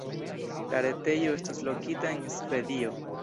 La retejo estas lokita en Svedio.